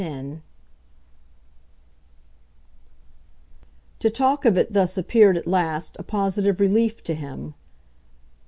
X To talk of it thus appeared at last a positive relief to him.